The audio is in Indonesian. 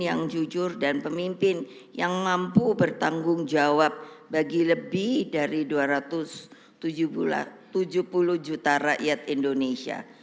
yang jujur dan pemimpin yang mampu bertanggung jawab bagi lebih dari dua ratus tujuh puluh juta rakyat indonesia